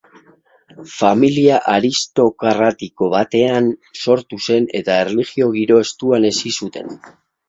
Familia aristokratiko batean sortu zen, eta erlijio-giro estuan hezi zuten.